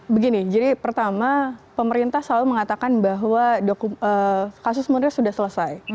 begini jadi pertama pemerintah selalu mengatakan bahwa kasus munir sudah selesai